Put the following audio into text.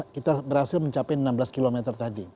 kita berhasil mencapai enam belas km tadi